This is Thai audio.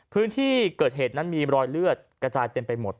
พื้นที่เกิดเหตุนั้นมีรอยเลือดกระจายเต็มไปหมด